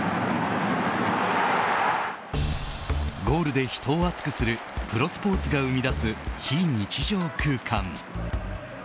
ゴールで人を熱くするプロスポーツが生み出す非日常空間。